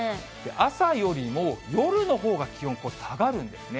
朝よりも夜のほうが気温下がるんですね。